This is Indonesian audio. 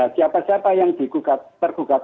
siapa siapa yang tergugat